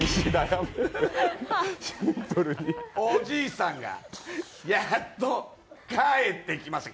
おじいさんがやっと帰ってきました。